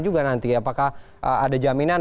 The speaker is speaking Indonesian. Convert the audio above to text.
juga nanti apakah ada jaminan